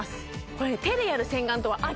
これね